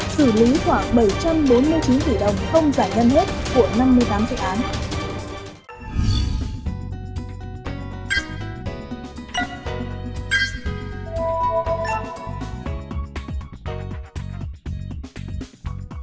cụ thể bộ giao thông vận tải cũng đề xuất kéo dài khoảng bảy trăm bốn mươi chín tỷ đồng không giải ngân hết của năm mươi tám dự án